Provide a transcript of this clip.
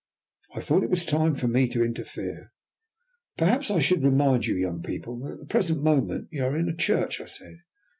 I thought it was time for me to interfere. "Perhaps I should remind you young people that at the present moment you are in a church," I said.